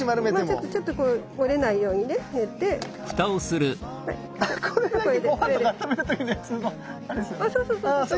うんそうそうそうそう。